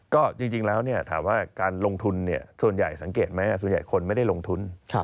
ก็จริงแล้วถามว่าการลงทุนส่วนใหญ่สังเกตไหมส่วนใหญ่คนไม่ได้ลงทุน